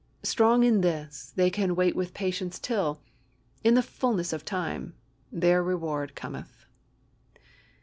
Strong in this, they can wait with patience till, in the fullness of time, their reward cometh.